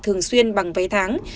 thường xuyên bằng vé tháng